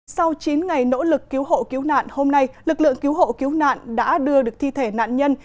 sau chín ngày nỗ lực cứu hộ cứu nạn hôm nay lực lượng cứu hộ cứu nạn đã đưa được thi thể nạn nhân